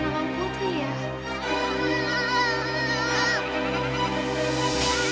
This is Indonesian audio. kau dia berhenti